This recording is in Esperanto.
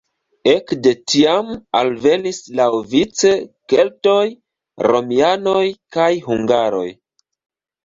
Ekde tiam alvenis laŭvice keltoj, romianoj kaj hungaroj.